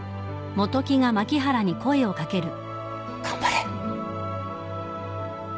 頑張れ。